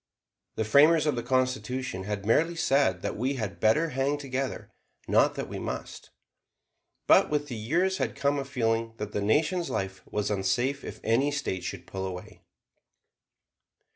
The framers of the Constitution had merely said that we "had better" hang together, not that we "must." But with the years had come a feeling that the Nation's life was unsafe if any State should pull away.